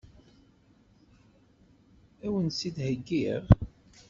Ad wen-tt-id-heggiɣ?